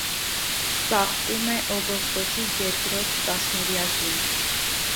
Ծաղկում է օգոստոսի երկրորդ տասնօրյակին։